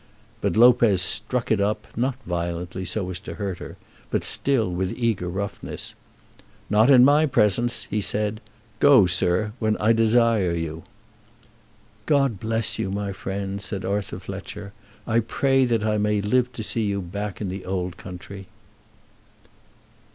But Lopez struck it up, not violently, so as to hurt her, but still with eager roughness. "Not in my presence," he said. "Go, sir, when I desire you." "God bless you, my friend," said Arthur Fletcher. "I pray that I may live to see you back in the old country."